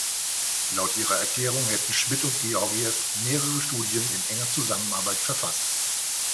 Laut ihrer Erklärung hätten Schmitt und Georgiew mehrere Studien in enger Zusammenarbeit verfasst.